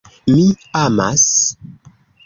Mi amas!